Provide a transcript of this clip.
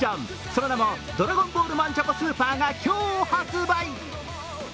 その名もドラゴンボールマンチョコ超が今日発売。